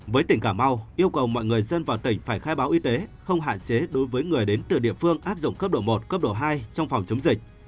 với tỉnh cà mau yêu cầu mọi người dân vào tỉnh phải khai báo y tế không hạn chế đối với người đến từ địa phương áp dụng cấp độ một cấp độ hai trong phòng chống dịch